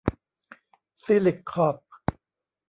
ซีลิค คอร์พ